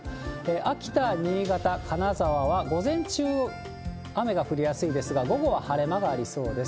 秋田、新潟、金沢は午前中雨が降りやすいですが、午後は晴れ間がありそうです。